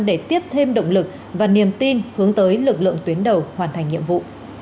để tiếp thêm động lực và niềm tin hướng tới lực lượng tuyến đầu hoàn thành nhiệm vụ